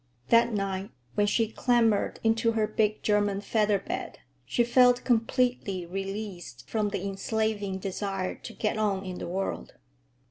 That night, when she clambered into her big German feather bed, she felt completely released from the enslaving desire to get on in the world.